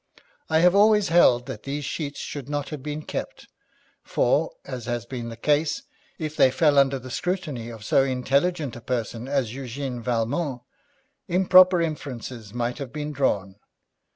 I have always held that these sheets should not have been kept, for, as has been the case, if they fell under the scrutiny of so intelligent a person as Eugène Valmont, improper inferences might have been drawn.